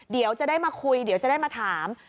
เดี๋ยวจะได้มาคุยเดี๋ยวจะได้มาถาม